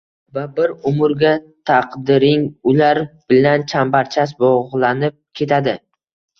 Va bir umrga taqdiring ular bilan chambarchas bog‘lanib ketadi…